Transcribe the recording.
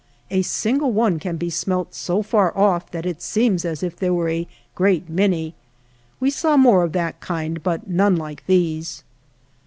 A single one can be smelt so far off that it seems as if there were a great many. We saw more of that kind, but none like these.